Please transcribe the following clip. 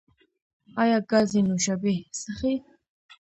ایا ګازي نوشابې څښئ؟